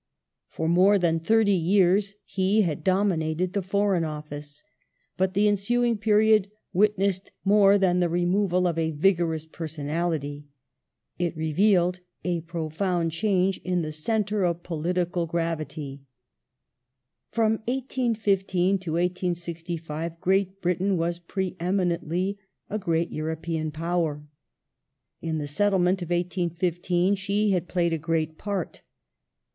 For more than thirty years he had dominated the Foreign Office. But the ensuing period witnessed more than the removal of a vigorous personality. It revealed a profound change in the centre of politi cal gravity. From 1815 to 1865 Great Britain was pre eminently a great European power. In the Settlement of 1815 she had played a great part.